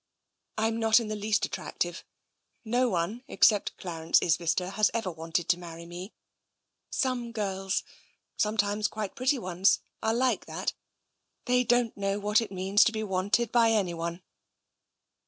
" I am not in the least attractive. No one, except Clar ence Isbister, has ever wanted to marry me. Some girls •— sometimes quite pretty ones — are like that. They don't know what it means to be wanted by anyone."